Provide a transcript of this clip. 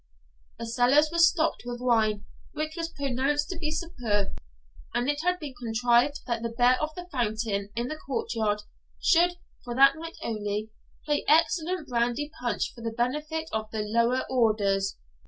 The cellars were stocked with wine which was pronounced to be superb, and it had been contrived that the Bear of the Fountain, in the courtyard, should (for that night only) play excellent brandy punch for the benefit of the lower orders.